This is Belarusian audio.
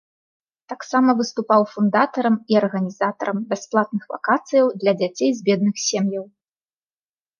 Таксама выступаў фундатарам і арганізатарам бясплатных вакацыяў для дзяцей з бедных сем'яў.